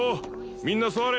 みんな座れ。